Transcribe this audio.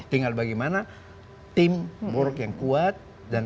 tinggal bagaimana tim buruk yang kuat